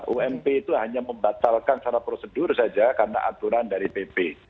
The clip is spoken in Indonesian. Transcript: ump itu hanya membatalkan secara prosedur saja karena aturan dari pp